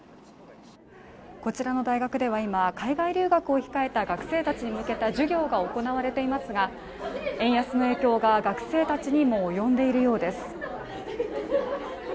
こちらの大学では今海外留学を控えた学生たちに向けた授業が行われていますが、円安の影響が学生たちにも及んでいるようです。